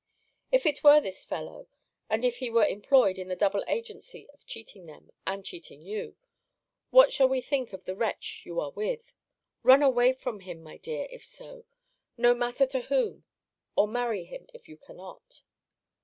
If it were this fellow, and if he were employed in the double agency of cheating them, and cheating you, what shall we think of the wretch you are with? Run away from him, my dear, if so no matter to whom or marry him, if you cannot.